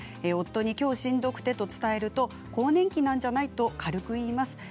夫に、きょうしんどくてと伝えると更年期なんじゃない？と軽く言います。